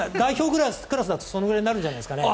代表クラスだとそういう感じになるんじゃないですかね。